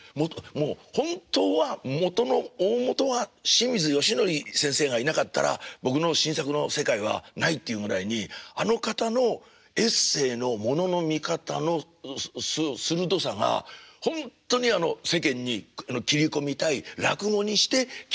もう本当は大本は清水義範先生がいなかったら僕の新作の世界はないっていうぐらいにあの方のエッセーのものの見方の鋭さがほんとに世間に切り込みたい落語にして切り込みたい切り口なんです。